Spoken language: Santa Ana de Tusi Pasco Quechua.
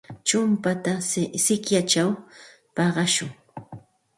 Chumpata sikyachaw paqashun.